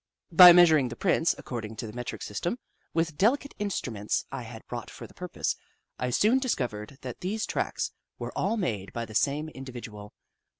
By measuring the prints, according to the metric system, with delicate instruments I had brought for the purpose, I soon discovered that these tracks were all made by the same individual.